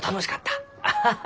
アハハ！